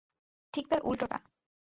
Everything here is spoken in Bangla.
ঠিক তার উল্টো টা।